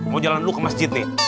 mau jalan dulu ke masjid deh